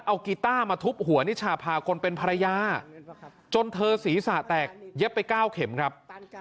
เอากีต้ามาทุบหัวนิชาพาคนเป็นภรรยาจนเธอศีรษะแตกเย็บไป๙เข็มครับ